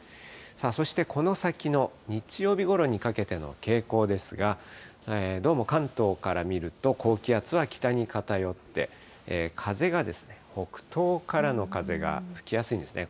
そしてこの先の日曜日ごろにかけての傾向ですが、どうも関東から見ると、高気圧は北に偏って、風が、北東からの風が吹きやすいんですね。